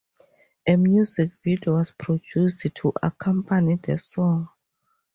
A music video was produced to accompany the song.